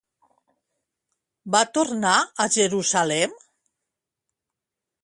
Va tornar a Jerusalem?